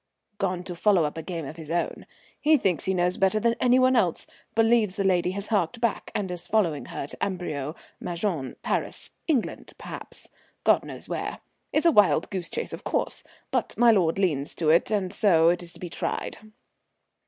"Gone to follow up a game of his own. He thinks he knows better than any one else; believes the lady has harked back, and is following her to Amberieu, Maçon, Paris, England perhaps. God knows where. It's a wild goose chase, of course; but my lord leans to it, and so it is to be tried."